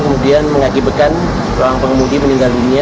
kemudian mengakibatkan orang pengemudi meninggal dunia